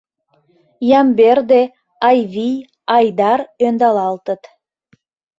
Ямберде, Айвий, Айдар ӧндалалтыт.